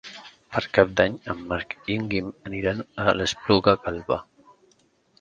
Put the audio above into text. Per Cap d'Any en Marc i en Guim aniran a l'Espluga Calba.